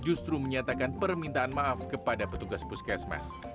justru menyatakan permintaan maaf kepada petugas puskesmas